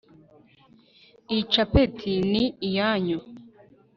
iyi capeti ni iyanyu